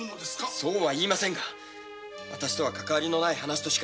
そうは言いませんが私には関係ない話。